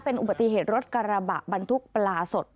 เป็นอุบัติเหตุรถกระบะบรรทุกปลาสด